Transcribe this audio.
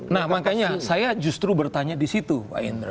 nah makanya saya justru bertanya disitu pak indra